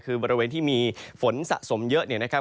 คือบริเวณที่มีฝนสะสมเยอะเนี่ยนะครับ